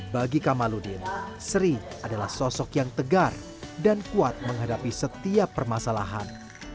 bagi kamaludin sri adalah sosok yang tegar dan kuat menghadapi setiap permasalahan